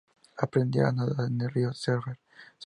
Aprendió a nadar en el Río Severn cerca de su casa.